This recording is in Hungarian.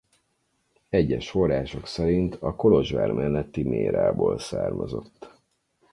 Egyes források szerint a Kolozsvár melletti Mérából származott.